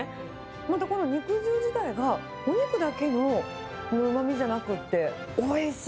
またこの肉汁自体が、お肉だけのうまみじゃなくて、おいしい。